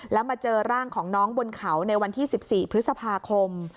แล้วมาเจอร่างของน้องบนเขาในวันที่๑๔พฤษภาคม